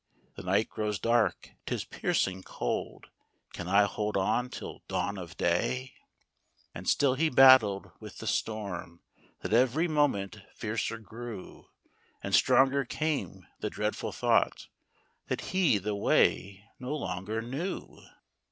The night grows dark, 'tis piercing cold : Can I hold on till dawn of day ?" And still he battled with the storm, That every moment fiercer grew, And stronger came the dreadful thought That he the way no longer knew.